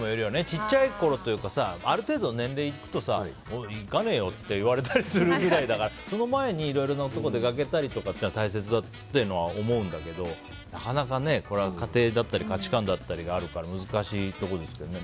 小さいころというかある程度の年齢いくと行かねえよとか言われたりするくらいだからその前にいろいろなところ出かけたりとかが大切だってのは思うんだけどなかなか家庭だったり価値観だったりがあるから難しいところですけどね。